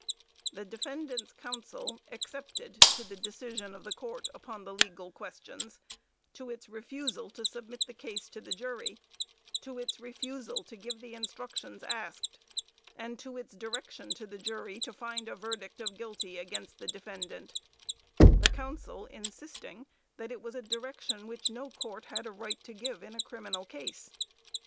The defendant's counsel excepted to the decision of the Court upon the legal questions to its refusal to submit the case to the jury: to its refusal to give the instructions asked; and to its direction to the jury to find a verdict of guilty against the defendant the counsel insisting that it was a direction which no Court had a right to give in a criminal case.